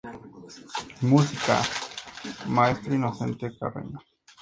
Música: Maestro Inocente Carreño.